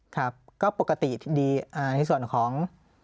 ครับก็ปกติดีในส่วนของ